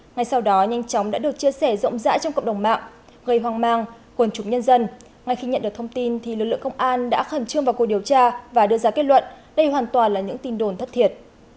ngay sau đó nhanh chóng đã được chia sẻ rộng rãi trong cộng đồng mạng gây hoang mang quần chúng nhân dân ngay khi nhận được thông tin thì lực lượng công an đã khẩn trương vào cuộc điều tra và đưa ra kết luận đây hoàn toàn là những tin đồn thất thiệt